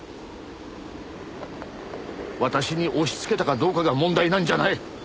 私に押しつけたかどうかが問題なんじゃない。